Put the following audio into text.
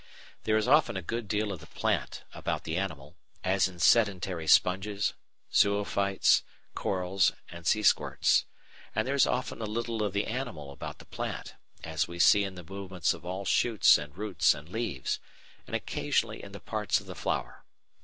There is often a good deal of the plant about the animal, as in sedentary sponges, zoophytes, corals, and sea squirts, and there is often a little of the animal about the plant, as we see in the movements of all shoots and roots and leaves, and occasionally in the parts of the flower.